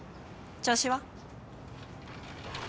調子は？